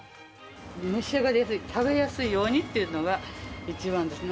召し上がりやすい、食べやすいようにっていうのが一番ですね。